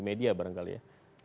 media barangkali ya